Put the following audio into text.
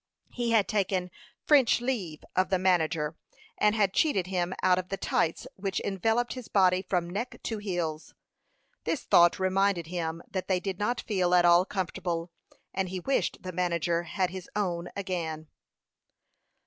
He had taken "French leave" of the manager, and had cheated him out of the tights which enveloped his body from neck to heels. This thought reminded him that they did not feel at all comfortable, and he wished the manager had his own again.